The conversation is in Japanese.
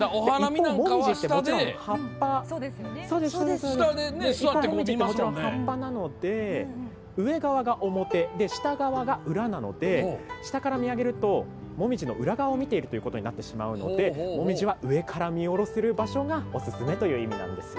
一方、紅葉ってもちろん葉っぱなので上側が表、下側が裏なので下から見上げると紅葉の裏側を見てるということになってしまうので紅葉は上から見下ろせる場所がおすすめという意味なんです。